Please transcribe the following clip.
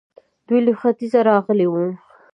دوی له ختيځه راغلي وو